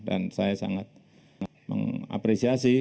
dan saya sangat mengapresiasi